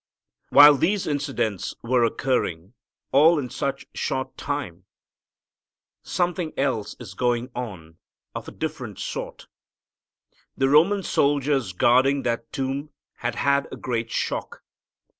While these incidents were occurring, all in such short time, something else is going on of a different sort. The Roman soldiers guarding that tomb had had a great shock.